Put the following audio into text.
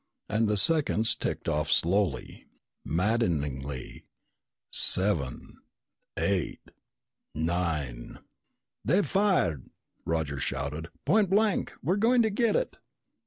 And the seconds ticked off slowly, maddeningly. Seven eight nine ! "They've fired," Roger shouted. "Point blank! We're going to get it!"